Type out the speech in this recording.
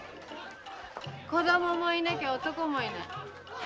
⁉子どももいなきゃ男もいない。